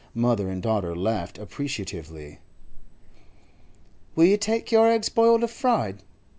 Mother and daughter laughed appreciatively. 'Will you take your eggs boiled or fried?